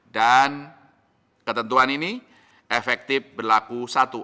dan ketentuan ini efektif berlaku satu agustus dua ribu dua puluh